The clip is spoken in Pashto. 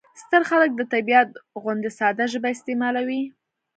ستر خلک د طبیعت غوندې ساده ژبه استعمالوي.